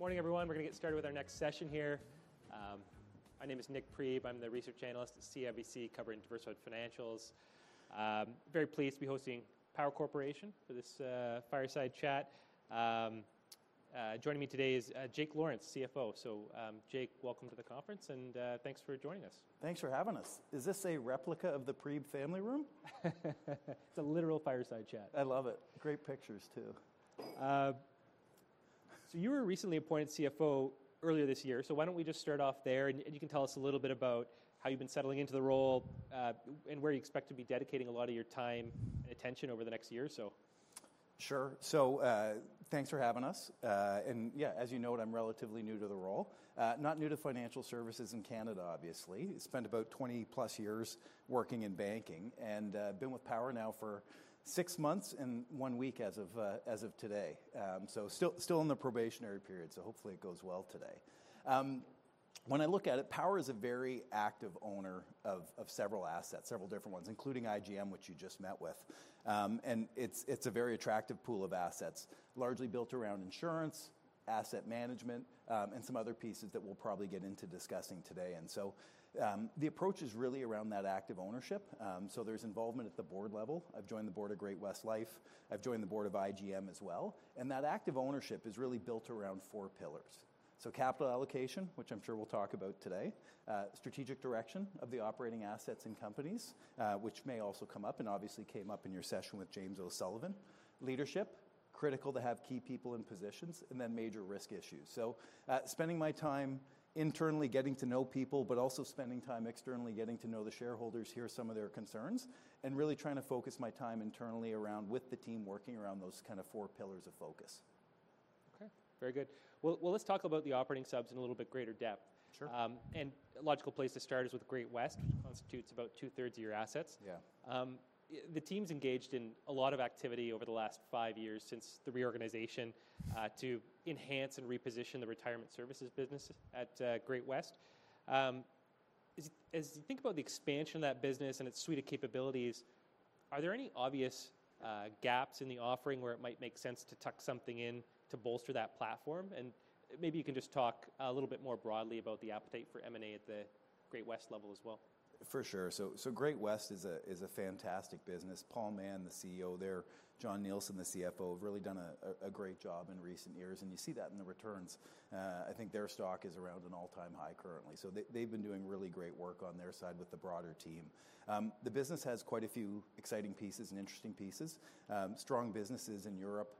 Morning, everyone. We're going to get started with our next session here. My name is Nik Priebe. I'm the Research Analyst at CIBC covering diversified financials. Very pleased to be hosting Power Corporation for this fireside chat. Joining me today is Jake Lawrence, CFO. So, Jake, welcome to the conference, and thanks for joining us. Thanks for having us. Is this a replica of the Priebe family room? It's a literal fireside chat. I love it. Great pictures, too. You were recently appointed CFO earlier this year. Why don't we just start off there? You can tell us a little bit about how you've been settling into the role and where you expect to be dedicating a lot of your time and attention over the next year, so. Sure. So, thanks for having us. And yeah, as you know, I'm relatively new to the role. Not new to financial services in Canada, obviously. Spent about 20+ years working in banking. And been with Power now for six months and one week as of today. So still in the probationary period, so hopefully it goes well today. When I look at it, Power is a very active owner of several assets, several different ones, including IGM, which you just met with. And it's a very attractive pool of assets, largely built around insurance, asset management, and some other pieces that we'll probably get into discussing today. And so the approach is really around that active ownership. So there's involvement at the board level. I've joined the board of Great-West Lifeco. I've joined the board of IGM as well. And that active ownership is really built around four pillars. So capital allocation, which I'm sure we'll talk about today, strategic direction of the operating assets and companies, which may also come up and obviously came up in your session with James O'Sullivan, leadership, critical to have key people in positions, and then major risk issues. So spending my time internally getting to know people, but also spending time externally getting to know the shareholders, hear some of their concerns, and really trying to focus my time internally around with the team working around those kind of four pillars of focus. Okay. Very good. Well, let's talk about the operating subs in a little bit greater depth. Sure. A logical place to start is with Great-West, which constitutes about 2/3 of your assets. Yeah. The team's engaged in a lot of activity over the last five years since the reorganization to enhance and reposition the retirement services business at Great-West. As you think about the expansion of that business and its suite of capabilities, are there any obvious gaps in the offering where it might make sense to tuck something in to bolster that platform? And maybe you can just talk a little bit more broadly about the appetite for M&A at the Great-West level as well. For sure. So Great-West is a fantastic business. Paul Mahon, the CEO there, Jon Nielsen, the CFO, have really done a great job in recent years. And you see that in the returns. I think their stock is around an all-time high currently. So they've been doing really great work on their side with the broader team. The business has quite a few exciting pieces and interesting pieces. Strong businesses in Europe.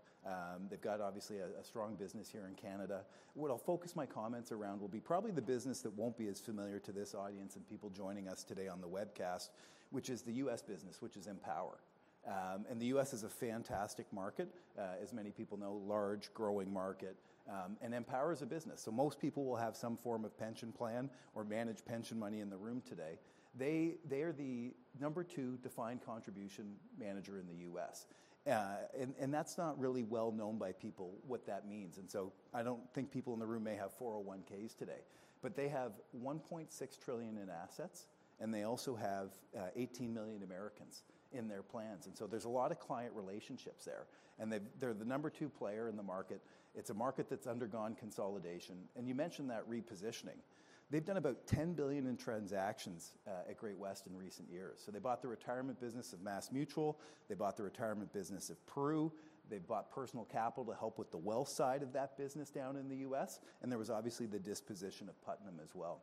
They've got, obviously, a strong business here in Canada. What I'll focus my comments around will be probably the business that won't be as familiar to this audience and people joining us today on the webcast, which is the U.S. business, which is Empower. And the U.S. is a fantastic market, as many people know, large, growing market. And Empower is a business. Most people will have some form of pension plan or manage pension money in the room today. They are the number two defined contribution manager in the U.S. And that's not really well known by people what that means. And so I don't think people in the room may have 401(k)s today. But they have $1.6 trillion in assets, and they also have 18 million Americans in their plans. And so there's a lot of client relationships there. And they're the number two player in the market. It's a market that's undergone consolidation. And you mentioned that repositioning. They've done about $10 billion in transactions at Great-West in recent years. So they bought the retirement business of MassMutual. They bought the retirement business of Prudential. They bought Personal Capital to help with the wealth side of that business down in the U.S. And there was obviously the disposition of Putnam as well.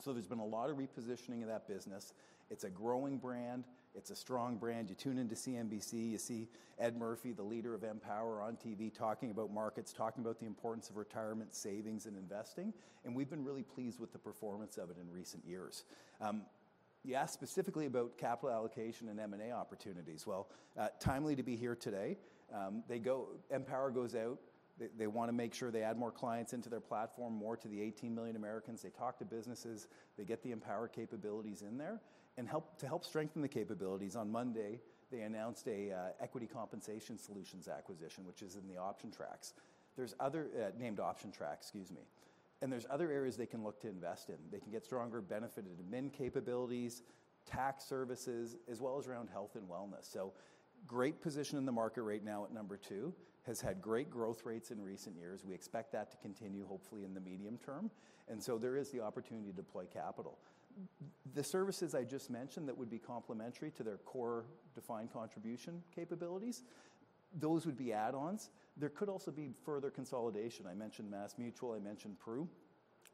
So there's been a lot of repositioning of that business. It's a growing brand. It's a strong brand. You tune into CNBC, you see Ed Murphy, the leader of Empower on TV, talking about markets, talking about the importance of retirement savings and investing. And we've been really pleased with the performance of it in recent years. You asked specifically about capital allocation and M&A opportunities. Well, timely to be here today. Empower goes out. They want to make sure they add more clients into their platform, more to the 18 million Americans. They talk to businesses. They get the Empower capabilities in there. And to help strengthen the capabilities, on Monday, they announced an equity compensation solutions acquisition, which is OptionTrax. There's other named OptionTrax, excuse me. There's other areas they can look to invest in. They can get stronger benefits and admin capabilities, tax services, as well as around health and wellness. Great position in the market right now at number two. Has had great growth rates in recent years. We expect that to continue, hopefully, in the medium term. There is the opportunity to deploy capital. The services I just mentioned that would be complementary to their core defined contribution capabilities, those would be add-ons. There could also be further consolidation. I mentioned MassMutual. I mentioned Prudential.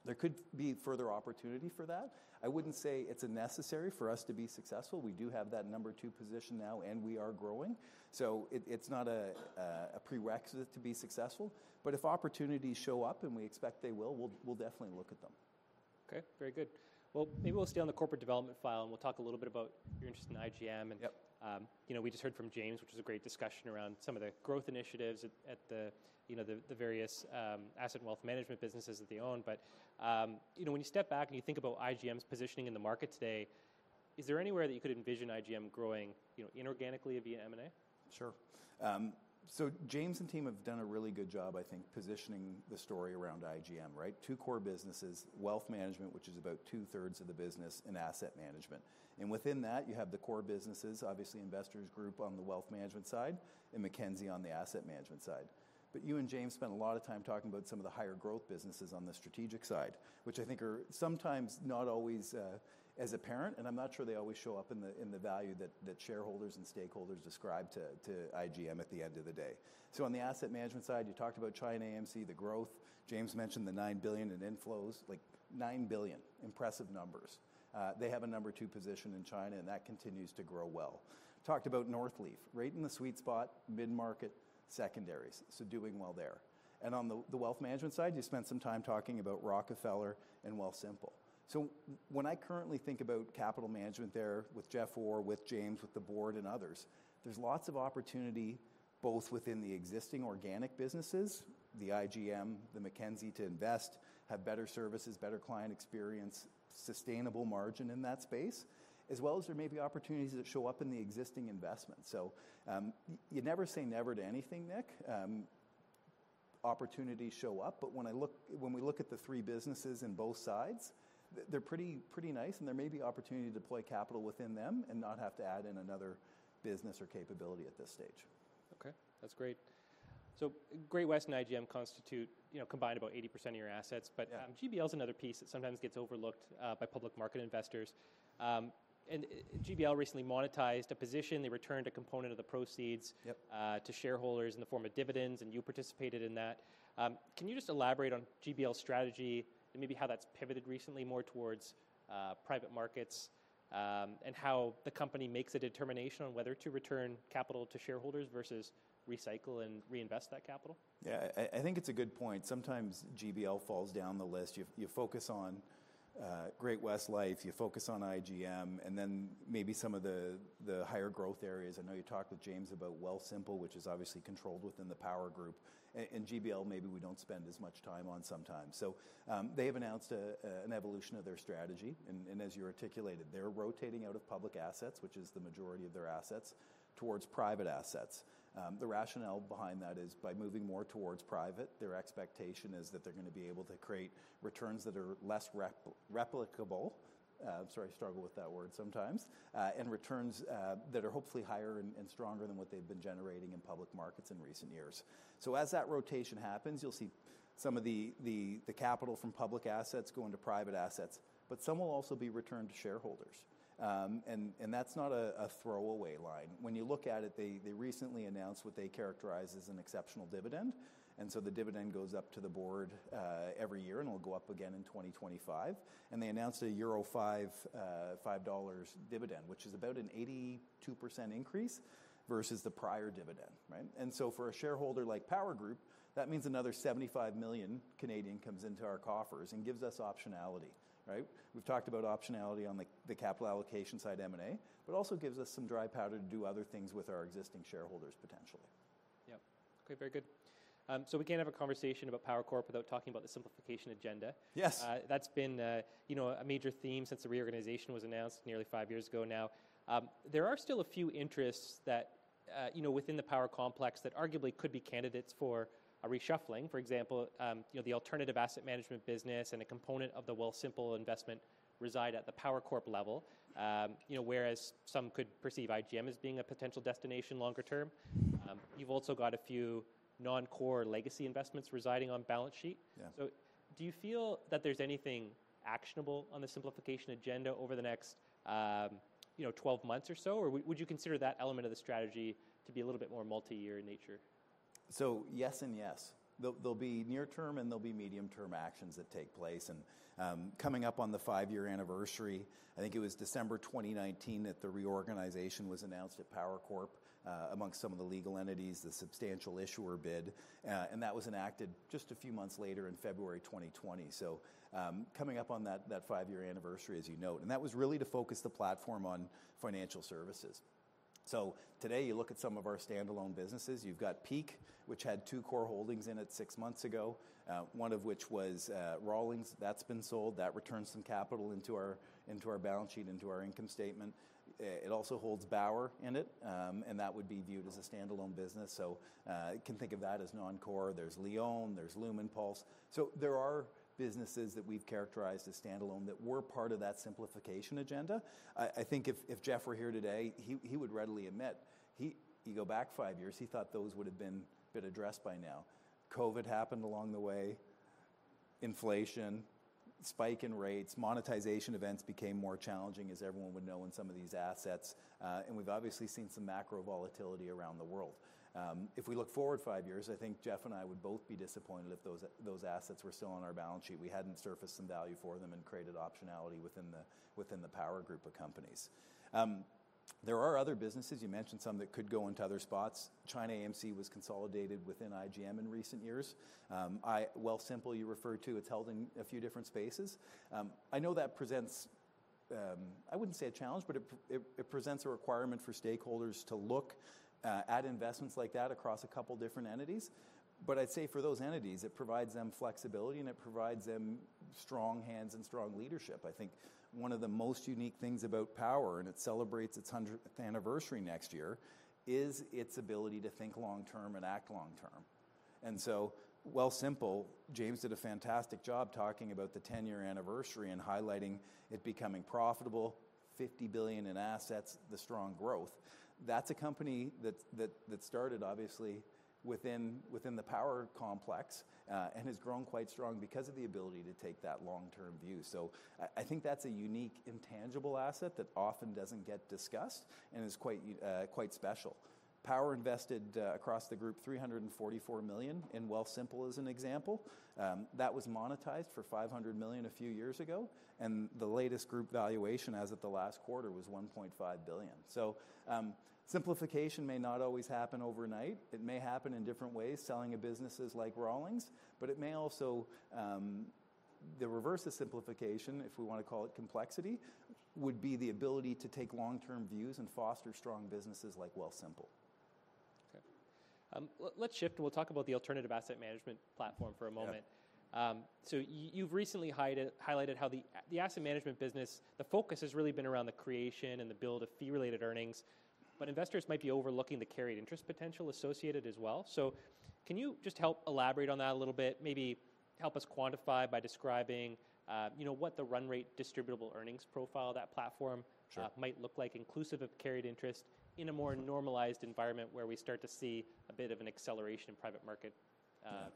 There could be further opportunity for that. I wouldn't say it's necessary for us to be successful. We do have that number two position now, and we are growing. It's not a prerequisite to be successful. But if opportunities show up, and we expect they will, we'll definitely look at them. Okay. Very good. Well, maybe we'll stay on the corporate development file, and we'll talk a little bit about your interest in IGM. Yep. We just heard from James, which was a great discussion around some of the growth initiatives at the various asset and wealth management businesses that they own. But when you step back and you think about IGM's positioning in the market today, is there anywhere that you could envision IGM growing inorganically via M&A? Sure. So James and team have done a really good job, I think, positioning the story around IGM, right? Two core businesses, wealth management, which is about 2/3 of the business, and asset management. And within that, you have the core businesses, obviously Investors Group on the wealth management side and Mackenzie on the asset management side. But you and James spent a lot of time talking about some of the higher growth businesses on the strategic side, which I think are sometimes not always as apparent, and I'm not sure they always show up in the value that shareholders and stakeholders describe to IGM at the end of the day. So on the asset management side, you talked about ChinaAMC, the growth. James mentioned the $9 billion in inflows. $9 billion, impressive numbers. They have a number two position in China, and that continues to grow well. Talked about Northleaf, right in the sweet spot, mid-market, secondaries. So doing well there. And on the wealth management side, you spent some time talking about Rockefeller and Wealthsimple. So when I currently think about capital management there with Jeff Orr, with James, with the board, and others, there's lots of opportunity both within the existing organic businesses, the IGM, the Mackenzie to invest, have better services, better client experience, sustainable margin in that space, as well as there may be opportunities that show up in the existing investments. So you never say never to anything, Nik. Opportunities show up. But when we look at the three businesses in both sides, they're pretty nice, and there may be opportunity to deploy capital within them and not have to add in another business or capability at this stage. Okay. That's great. So Great-West and IGM constitute combined about 80% of your assets. But GBL is another piece that sometimes gets overlooked by public market investors. And GBL recently monetized a position. They returned a component of the proceeds to shareholders in the form of dividends, and you participated in that. Can you just elaborate on GBL's strategy and maybe how that's pivoted recently more towards private markets and how the company makes a determination on whether to return capital to shareholders versus recycle and reinvest that capital? Yeah. I think it's a good point. Sometimes GBL falls down the list. You focus on Great-West Lifeco. You focus on IGM, and then maybe some of the higher growth areas. I know you talked with James about Wealthsimple, which is obviously controlled within the Power Group, and GBL, maybe we don't spend as much time on sometimes, so they have announced an evolution of their strategy. And as you articulated, they're rotating out of public assets, which is the majority of their assets, towards private assets. The rationale behind that is by moving more towards private, their expectation is that they're going to be able to create returns that are less replicable. I'm sorry, I struggle with that word sometimes, and returns that are hopefully higher and stronger than what they've been generating in public markets in recent years. So as that rotation happens, you'll see some of the capital from public assets go into private assets, but some will also be returned to shareholders. And that's not a throwaway line. When you look at it, they recently announced what they characterize as an exceptional dividend. And so the dividend goes up to the board every year, and it'll go up again in 2025. And they announced a EUR 5 dividend, which is about an 82% increase versus the prior dividend, right? And so for a shareholder like Power Group, that means another 75 million comes into our coffers and gives us optionality, right? We've talked about optionality on the capital allocation side M&A, but also gives us some dry powder to do other things with our existing shareholders potentially. Yeah. Okay. Very good. So we can't have a conversation about Power Corporation without talking about the simplification agenda. Yes. That's been a major theme since the reorganization was announced nearly five years ago now. There are still a few interests within the Power Complex that arguably could be candidates for a reshuffling. For example, the alternative asset management business and a component of the Wealthsimple investment reside at the Power Corp level, whereas some could perceive IGM as being a potential destination longer term. You've also got a few non-core legacy investments residing on balance sheet. So do you feel that there's anything actionable on the simplification agenda over the next 12 months or so, or would you consider that element of the strategy to be a little bit more multi-year in nature? Yes and yes. There'll be near-term and there'll be medium-term actions that take place. Coming up on the five-year anniversary, I think it was December 2019 that the reorganization was announced at Power Corp amongst some of the legal entities, the substantial issuer bid. And that was enacted just a few months later in February 2020. Coming up on that five-year anniversary, as you note. That was really to focus the platform on financial services. Today, you look at some of our standalone businesses. You've got Peak, which had two core holdings in it six months ago, one of which was Rawlings. That's been sold. That returns some capital into our balance sheet, into our income statement. It also holds Bauer in it, and that would be viewed as a standalone business. You can think of that as non-core. There's Lion, there's Lumenpulse. So there are businesses that we've characterized as standalone that were part of that simplification agenda. I think if Jeff were here today, he would readily admit. You go back five years, he thought those would have been addressed by now. COVID happened along the way, inflation, spike in rates, monetization events became more challenging, as everyone would know in some of these assets. And we've obviously seen some macro volatility around the world. If we look forward five years, I think Jeff and I would both be disappointed if those assets were still on our balance sheet. We hadn't surfaced some value for them and created optionality within the Power Group of companies. There are other businesses. You mentioned some that could go into other spots. ChinaAMC was consolidated within IGM in recent years. Wealthsimple, you referred to, it's held in a few different spaces. I know that presents. I wouldn't say a challenge, but it presents a requirement for stakeholders to look at investments like that across a couple of different entities. But I'd say for those entities, it provides them flexibility, and it provides them strong hands and strong leadership. I think one of the most unique things about Power, and it celebrates its 100th anniversary next year, is its ability to think long-term and act long-term. And so Wealthsimple, James did a fantastic job talking about the 10-year anniversary and highlighting it becoming profitable, 50 billion in assets, the strong growth. That's a company that started, obviously, within the Power Complex and has grown quite strong because of the ability to take that long-term view. So I think that's a unique intangible asset that often doesn't get discussed and is quite special. Power invested across the group 344 million in Wealthsimple as an example. That was monetized for 500 million a few years ago. And the latest group valuation as of the last quarter was 1.5 billion. So simplification may not always happen overnight. It may happen in different ways, selling of businesses like Rawlings. But it may also, the reverse of simplification, if we want to call it complexity, would be the ability to take long-term views and foster strong businesses like Wealthsimple. Okay. Let's shift and we'll talk about the alternative asset management platform for a moment. Okay. So you've recently highlighted how the asset management business, the focus has really been around the creation and the build of fee-related earnings. But investors might be overlooking the carried interest potential associated as well. So can you just help elaborate on that a little bit, maybe help us quantify by describing what the run rate distributable earnings profile of that platform might look like, inclusive of carried interest in a more normalized environment where we start to see a bit of an acceleration in private market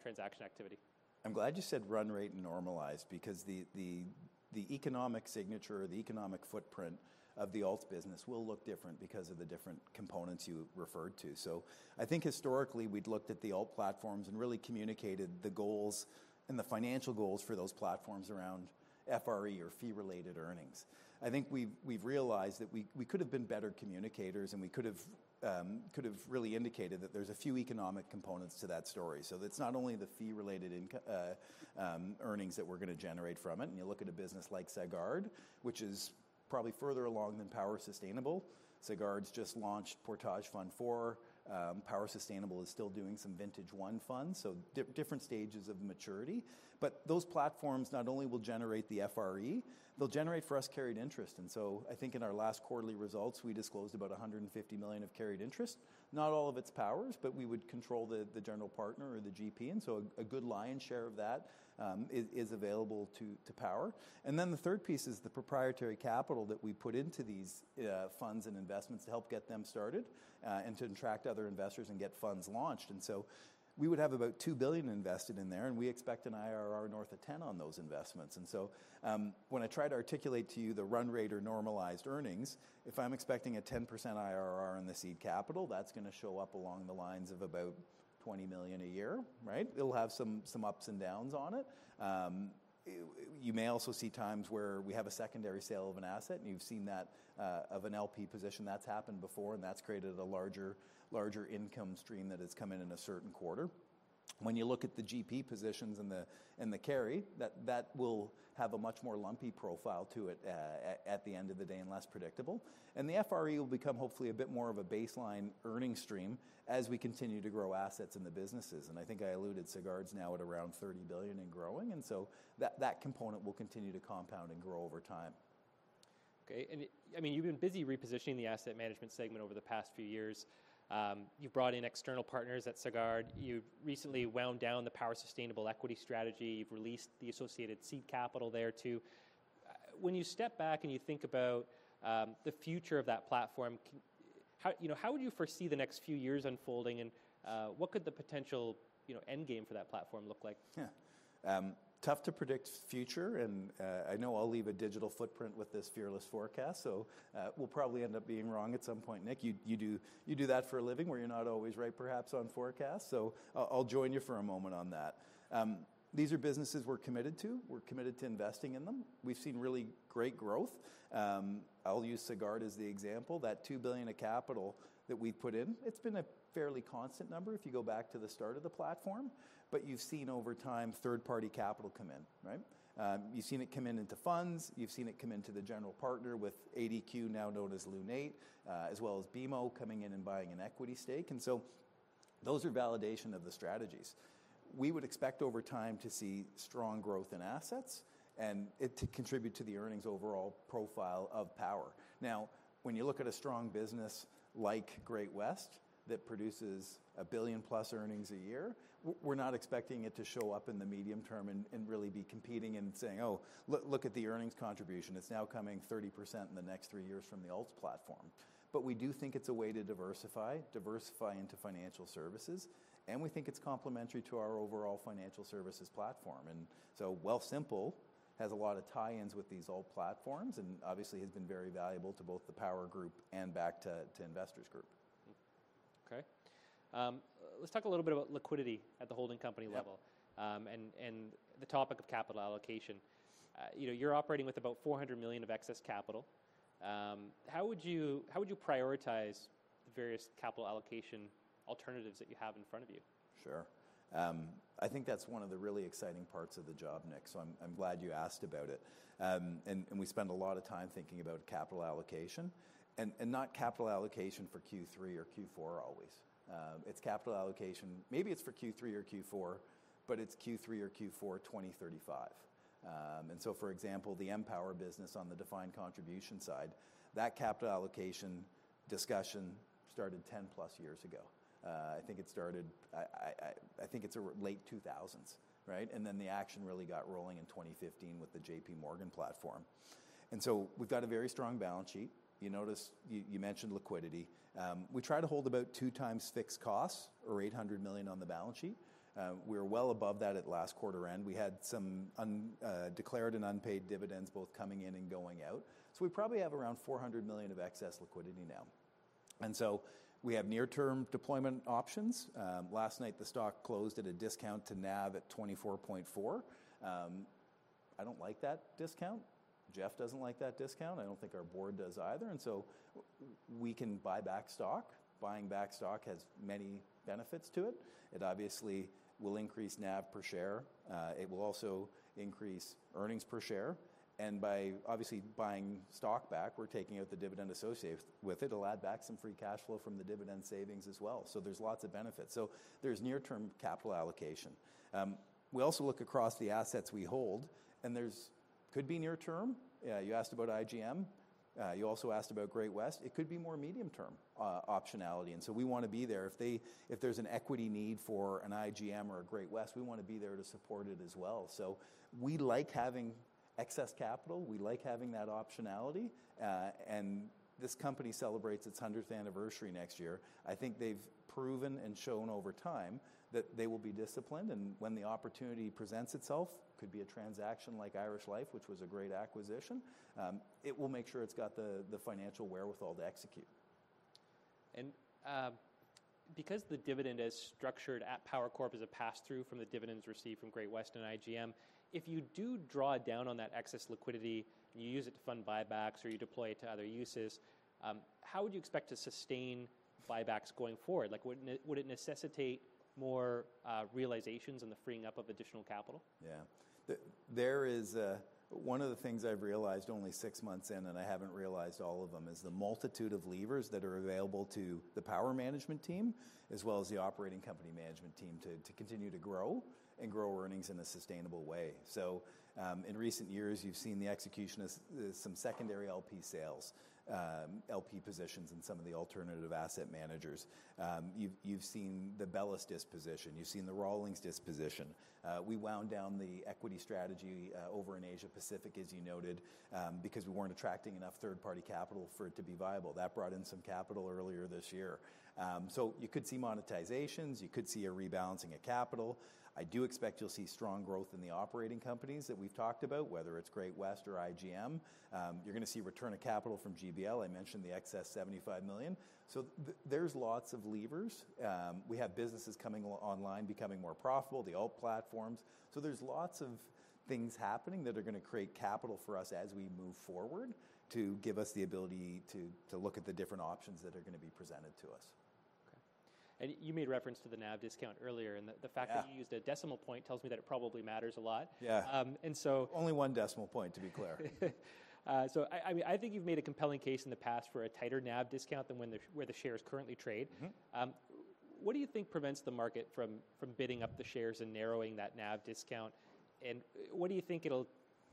transaction activity? I'm glad you said run rate normalized because the economic signature, the economic footprint of the alt business will look different because of the different components you referred to. So I think historically, we'd looked at the alt platforms and really communicated the goals and the financial goals for those platforms around FRE or fee-related earnings. I think we've realized that we could have been better communicators, and we could have really indicated that there's a few economic components to that story. So it's not only the fee-related earnings that we're going to generate from it. And you look at a business like Sagard, which is probably further along than Power Sustainable. Sagard's just launched Portage Fund IV. Power Sustainable is still doing some Vintage I funds. So different stages of maturity. But those platforms not only will generate the FRE, they'll generate for us carried interest. I think in our last quarterly results, we disclosed about 150 million of carried interest. Not all of it is Power's, but we would control the general partner or the GP. A good lion's share of that is available to Power. The third piece is the proprietary capital that we put into these funds and investments to help get them started and to attract other investors and get funds launched. We would have about 2 billion invested in there, and we expect an IRR north of 10% on those investments. When I try to articulate to you the run rate or normalized earnings, if I'm expecting a 10% IRR on the seed capital, that's going to show up along the lines of about 20 million a year, right? It'll have some ups and downs on it. You may also see times where we have a secondary sale of an asset, and you've seen that of an LP position. That's happened before, and that's created a larger income stream that has come in in a certain quarter. When you look at the GP positions and the carry, that will have a much more lumpy profile to it at the end of the day and less predictable. The FRE will become hopefully a bit more of a baseline earnings stream as we continue to grow assets in the businesses. I think I alluded to Sagard's now at around $30 billion and growing. So that component will continue to compound and grow over time. Okay, and I mean, you've been busy repositioning the asset management segment over the past few years. You've brought in external partners at Sagard. You recently wound down the Power Sustainable Equity strategy. You've released the associated seed capital there too. When you step back and you think about the future of that platform, how would you foresee the next few years unfolding, and what could the potential end game for that platform look like? Yeah. Tough to predict future. I know I'll leave a digital footprint with this fearless forecast. We'll probably end up being wrong at some point, Nik. You do that for a living where you're not always right, perhaps, on forecasts. I'll join you for a moment on that. These are businesses we're committed to. We're committed to investing in them. We've seen really great growth. I'll use Sagard as the example. That 2 billion of capital that we've put in, it's been a fairly constant number if you go back to the start of the platform. You've seen over time third-party capital come in, right? You've seen it come in into funds. You've seen it come into the general partner with ADQ, now known as Lunate, as well as BMO coming in and buying an equity stake. Those are validation of the strategies. We would expect over time to see strong growth in assets and to contribute to the earnings overall profile of Power. Now, when you look at a strong business like Great-West that produces a billion-plus earnings a year, we're not expecting it to show up in the medium term and really be competing and saying, "Oh, look at the earnings contribution. It's now coming 30% in the next three years from the alt platform." But we do think it's a way to diversify, diversify into financial services. And we think it's complementary to our overall financial services platform. And so Wealthsimple has a lot of tie-ins with these alt platforms and obviously has been very valuable to both the Power Group and back to Investors Group. Okay. Let's talk a little bit about liquidity at the holding company level and the topic of capital allocation. You're operating with about 400 million of excess capital. How would you prioritize the various capital allocation alternatives that you have in front of you? Sure. I think that's one of the really exciting parts of the job, Nik. So I'm glad you asked about it. And we spend a lot of time thinking about capital allocation and not capital allocation for Q3 or Q4 always. It's capital allocation, maybe it's for Q3 or Q4, but it's Q3 or Q4 2035. And so, for example, the Empower business on the defined contribution side, that capital allocation discussion started 10+ years ago. I think it started, I think it's a late 2000s, right? And then the action really got rolling in 2015 with the JPMorgan platform. And so we've got a very strong balance sheet. You mentioned liquidity. We try to hold about two times fixed costs or $800 million on the balance sheet. We were well above that at last quarter end. We had some declared and unpaid dividends both coming in and going out, so we probably have around 400 million of excess liquidity now, and so we have near-term deployment options. Last night, the stock closed at a discount to NAV at 24.4. I don't like that discount. Jeff doesn't like that discount. I don't think our board does either, and so we can buy back stock. Buying back stock has many benefits to it. It obviously will increase NAV per share. It will also increase earnings per share, and by obviously buying stock back, we're taking out the dividend associated with it. It'll add back some free cash flow from the dividend savings as well, so there's lots of benefits, so there's near-term capital allocation. We also look across the assets we hold, and there could be near-term. You asked about IGM. You also asked about Great-West. It could be more medium-term optionality, and so we want to be there. If there's an equity need for an IGM or a Great-West, we want to be there to support it as well, so we like having excess capital. We like having that optionality, and this company celebrates its 100th anniversary next year. I think they've proven and shown over time that they will be disciplined, and when the opportunity presents itself, it could be a transaction like Irish Life, which was a great acquisition. It will make sure it's got the financial wherewithal to execute. Because the dividend is structured at Power Corporation as a pass-through from the dividends received from Great-West and IGM, if you do draw down on that excess liquidity and you use it to fund buybacks or you deploy it to other uses, how would you expect to sustain buybacks going forward? Would it necessitate more realizations and the freeing up of additional capital? Yeah. One of the things I've realized only six months in, and I haven't realized all of them, is the multitude of levers that are available to the Power Management team as well as the Operating Company Management team to continue to grow and grow earnings in a sustainable way. So in recent years, you've seen the execution of some secondary LP sales, LP positions in some of the alternative asset managers. You've seen the Bellus disposition. You've seen the Rawlings disposition. We wound down the equity strategy over in Asia Pacific, as you noted, because we weren't attracting enough third-party capital for it to be viable. That brought in some capital earlier this year. So you could see monetizations. You could see a rebalancing of capital. I do expect you'll see strong growth in the operating companies that we've talked about, whether it's Great-West or IGM. You're going to see return of capital from GBL. I mentioned the excess $75 million, so there's lots of levers. We have businesses coming online, becoming more profitable, the alt platforms, so there's lots of things happening that are going to create capital for us as we move forward to give us the ability to look at the different options that are going to be presented to us. Okay. And you made reference to the NAV discount earlier. And the fact that you used a decimal point tells me that it probably matters a lot. Yeah. Only one decimal point, to be clear. So I think you've made a compelling case in the past for a tighter NAV discount than where the shares currently trade. What do you think prevents the market from bidding up the shares and narrowing that NAV discount? And what do you think it'll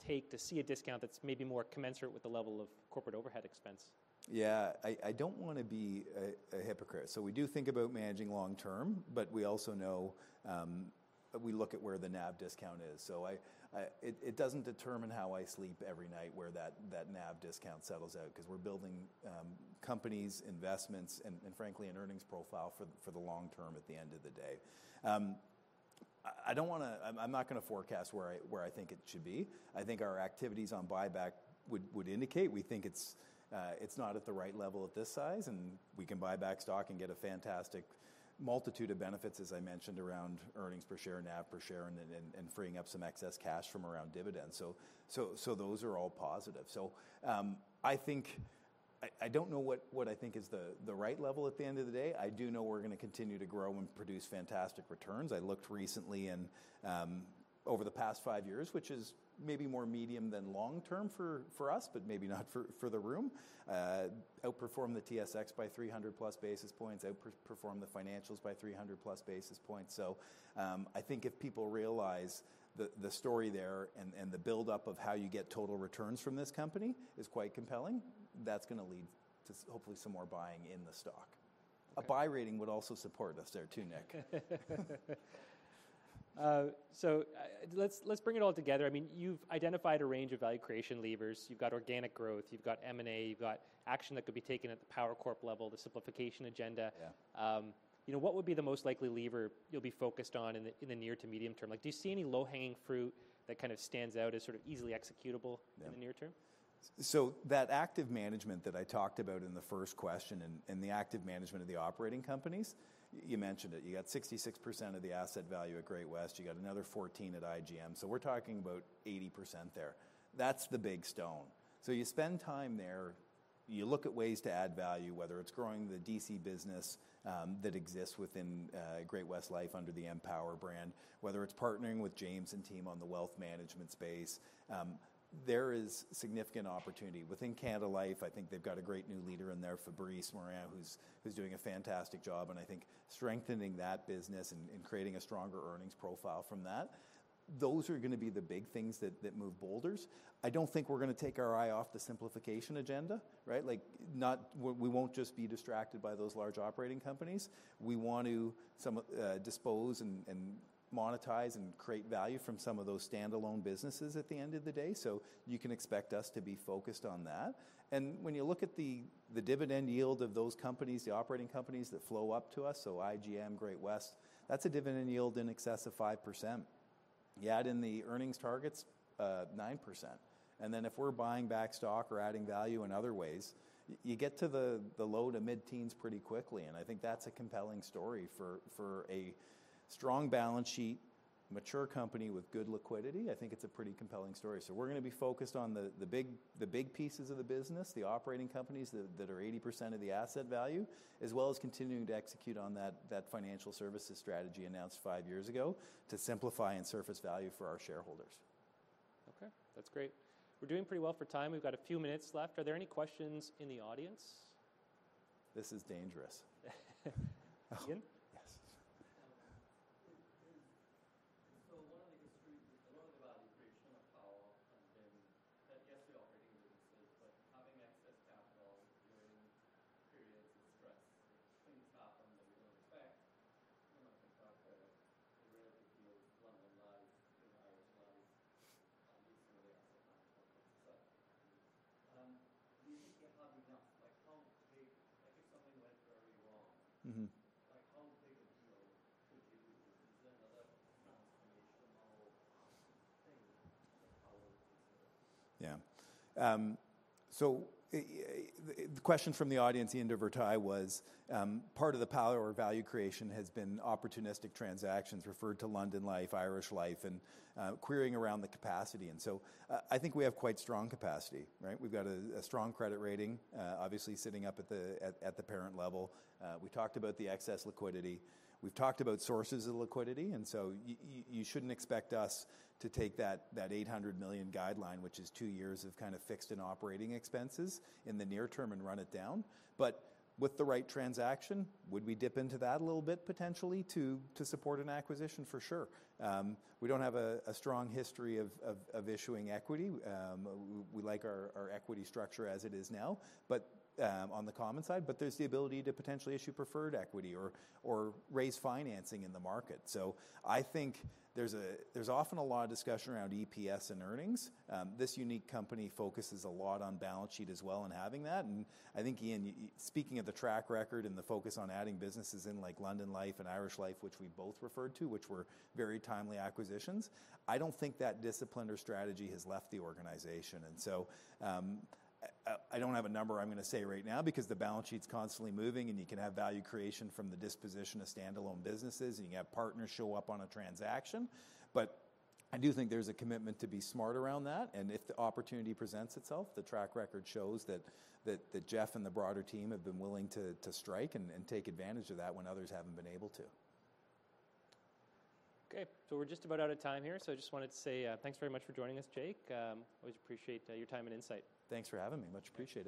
take to see a discount that's maybe more commensurate with the level of corporate overhead expense? Yeah. I don't want to be a hypocrite. So we do think about managing long-term, but we also know we look at where the NAV discount is. So it doesn't determine how I sleep every night where that NAV discount settles out because we're building companies, investments, and frankly, an earnings profile for the long-term at the end of the day. I'm not going to forecast where I think it should be. I think our activities on buyback would indicate we think it's not at the right level at this size, and we can buy back stock and get a fantastic multitude of benefits, as I mentioned, around earnings per share, NAV per share, and freeing up some excess cash from around dividends. So those are all positive. So I don't know what I think is the right level at the end of the day. I do know we're going to continue to grow and produce fantastic returns. I looked recently and over the past five years, which is maybe more medium than long-term for us, but maybe not for the room, outperformed the TSX by 300+ basis points, outperformed the financials by 300+ basis points. So I think if people realize the story there and the buildup of how you get total returns from this company is quite compelling, that's going to lead to hopefully some more buying in the stock. A buy rating would also support us there too, Nik. So let's bring it all together. I mean, you've identified a range of value creation levers. You've got organic growth. You've got M&A. You've got action that could be taken at the Power Corporation level, the simplification agenda. What would be the most likely lever you'll be focused on in the near to medium term? Do you see any low-hanging fruit that kind of stands out as sort of easily executable in the near term? That active management that I talked about in the first question and the active management of the operating companies, you mentioned it. You got 66% of the asset value at Great-West. You got another 14% at IGM. So we're talking about 80% there. That's the big stone. So you spend time there. You look at ways to add value, whether it's growing the DC business that exists within Great-West Life under the Empower brand, whether it's partnering with James and team on the wealth management space. There is significant opportunity. Within Canada Life, I think they've got a great new leader in there, Fabrice Morin, who's doing a fantastic job, and I think strengthening that business and creating a stronger earnings profile from that, those are going to be the big things that move boulders. I don't think we're going to take our eye off the simplification agenda, right? We won't just be distracted by those large operating companies. We want to dispose and monetize and create value from some of those standalone businesses at the end of the day. So you can expect us to be focused on that. And when you look at the dividend yield of those companies, the operating companies that flow up to us, so IGM, Great-West, that's a dividend yield in excess of 5%. You add in the earnings targets, 9%. And then if we're buying back stock or adding value in other ways, you get to the low to mid-teens pretty quickly. And I think that's a compelling story for a So the question from the audience Ian de Verteuil was part of the Power's value creation has been opportunistic transactions referred to London Life, Irish Life, and querying around the capacity. And so I think we have quite strong capacity, right? We've got a strong credit rating, obviously sitting up at the parent level. We talked about the excess liquidity. We've talked about sources of liquidity. And so you shouldn't expect us to take that 800 million guideline, which is two years of kind of fixed and operating expenses in the near term and run it down, but with the right transaction, would we dip into that a little bit potentially to support an acquisition? For sure. We don't have a strong history of issuing equity. We like our equity structure as it is now on the common side, but there's the ability to potentially issue preferred equity or raise financing in the market. So I think there's often a lot of discussion around EPS and earnings. This unique company focuses a lot on balance sheet as well and having that. And I think, Ian, speaking of the track record and the focus on adding businesses in like London Life and Irish Life, which we both referred to, which were very timely acquisitions. I don't think that discipline or strategy has left the organization. And so I don't have a number I'm going to say right now because the balance sheet's constantly moving and you can have value creation from the disposition of standalone businesses and you can have partners show up on a transaction. But I do think there's a commitment to be smart around that. And if the opportunity presents itself, the track record shows that Jeff and the broader team have been willing to strike and take advantage of that when others haven't been able to. Okay. So we're just about out of time here. So I just wanted to say thanks very much for joining us, Jake. Always appreciate your time and insight. Thanks for having me. Much appreciated.